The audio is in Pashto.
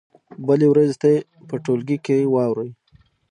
بلې ورځې ته یې په ټولګي کې واورئ.